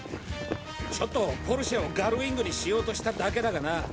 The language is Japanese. ちょっとポルシェをガルウイングにしようとしただけだがな。